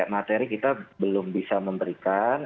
materi kita belum bisa memberikan